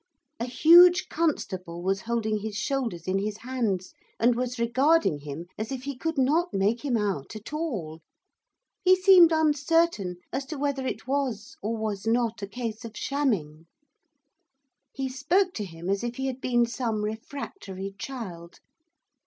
A huge constable was holding his shoulders in his hands, and was regarding him as if he could not make him out at all. He seemed uncertain as to whether it was or was not a case of shamming. He spoke to him as if he had been some refractory child.